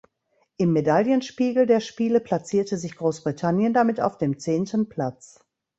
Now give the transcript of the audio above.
Im Medaillenspiegel der Spiele platzierte sich Großbritannien damit auf dem zehnten Platz.